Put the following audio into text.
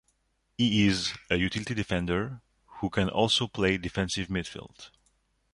He is a utility defender who can also play defensive midfield.